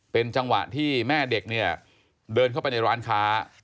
เป็นจังหวะที่แม่เด็กเนี่ยเดินเข้าไปในร้านค้า